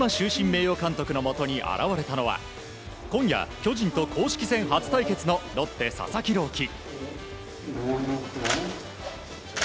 名誉監督のもとに現れたのは今夜、巨人と公式戦初対決のロッテ、佐々木朗希。